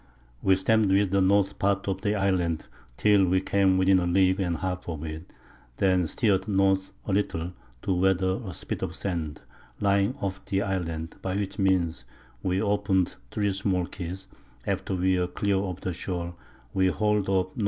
We stem'd with the North Part of the Island, till we came within a League and half of it, then steer'd North a little to weather a Spit of Sand, lying off the Island, by which Means we open'd 3 small Keys; after we were clear of the Shoal, we hall'd up N.W.